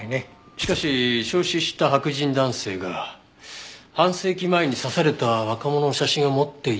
しかし焼死した白人男性が半世紀前に刺された若者の写真を持っていたというのは。